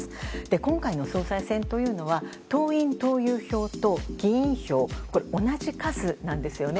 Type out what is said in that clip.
今回の総裁選というのは、党員党友票と議員票、これ、同じ数なんですよね。